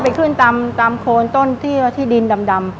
ถ้าไปขึ้นตามโคนต้นที่ดินดำ